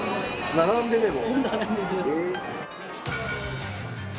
並んででも！